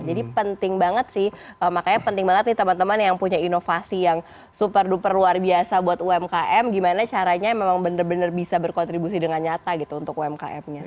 jadi penting banget sih makanya penting banget nih teman teman yang punya inovasi yang super duper luar biasa buat umkm gimana caranya memang bener bener bisa berkontribusi dengan nyata gitu untuk umkmnya